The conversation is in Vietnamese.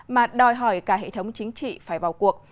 mà đòi hỏi cả hệ thống chính trị phải vào cuộc